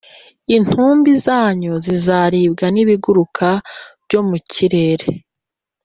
intumbi zanyu zizaribwa n’ibiguruka byo mu kirere